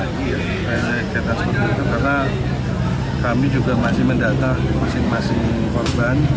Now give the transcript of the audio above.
terkait kegiatan seperti itu karena kami juga masih mendata masing masing korban